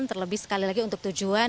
terlebih sekali lagi untuk tujuan